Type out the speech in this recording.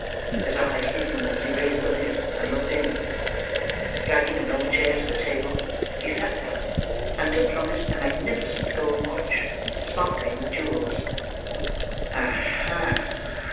His eyes glistened as he raised the lid, and looked in. Dragging an old chair to the table, he sat down; and took from it a magnificent gold watch, sparkling with jewels. "Aha!"